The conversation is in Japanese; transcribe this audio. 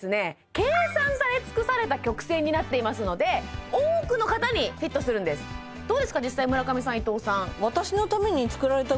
計算され尽くされた曲線になっていますので多くの方にフィットするんですどうですか？